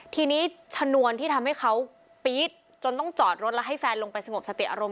ทีนี้ชนวนที่ทำให้เขาปี๊ดจนต้องจอดรถแล้วให้แฟนลงไปสงบสติอารมณ์